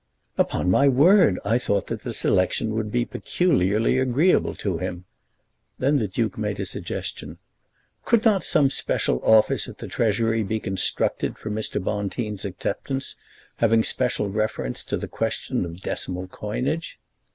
"Upon my word I thought that the selection would be peculiarly agreeable to him." Then the duke made a suggestion. "Could not some special office at the Treasury be constructed for Mr. Bonteen's acceptance, having special reference to the question of decimal coinage?"